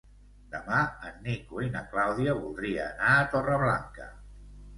Demà en Nico i na Clàudia voldrien anar a Torreblanca.